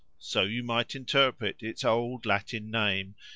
so you might interpret its old Latin name.